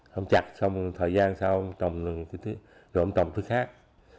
không chặt xong thời gian sau ông trồng thứ khác